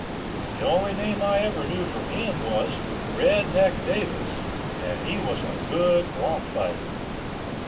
The only name I ever knew for him was "Red Neck Davis" and he was a good bronc fighter.